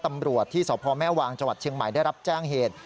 ตำรวจที่สพแม่วางจังหวัดเชียงใหม่ได้รับแจ้งเหตุ